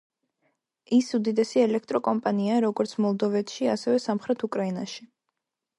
ის უდიდესი ელექტრო კომპანიაა როგორც მოლდოვეთში ასევე სამხრეთ უკრაინაში.